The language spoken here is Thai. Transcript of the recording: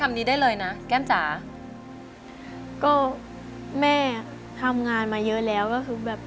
ไม่อยากให้แม่ทำแล้วก็คือ